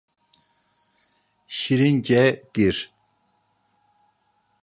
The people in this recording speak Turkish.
Şirince'dir…